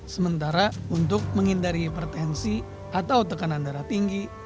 sementara untuk menghindari hipertensi atau tekanan darah tinggi